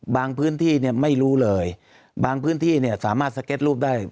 บางพื้นที่ไม่รู้เลยบางพื้นที่สามารถสเก็ตรูปได้